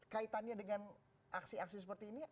kaitannya dengan aksi aksi seperti ini